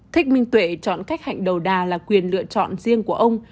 thích minh tuệ chọn cách hạnh đầu đà là quyền lựa chọn riêng của ông